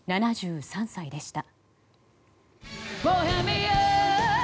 ７３歳でした。